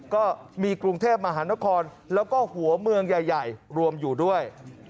ก็มีกรุงเทพมหานครแล้วก็หัวเมืองใหญ่รวมอยู่ด้วย